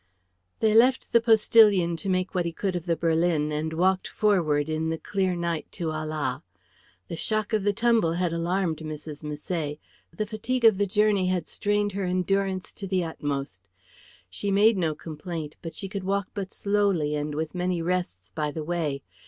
They left the postillion to make what he could of the berlin and walked forward in the clear night to Ala. The shock of the tumble had alarmed Mrs. Misset; the fatigue of the journey had strained her endurance to the utmost. She made no complaint, but she could walk but slowly and with many rests by the way.